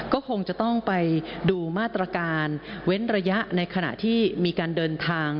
ก็คงจะต้องไปดูมาตรการเว้นระยะในขณะที่มีการเดินทาง